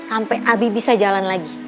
sampai abi bisa jalan lagi